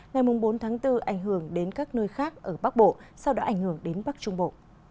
ngày bốn tháng bốn ảnh hưởng đến các nơi khác ở bắc bộ sau đó ảnh hưởng đến bắc trung bộ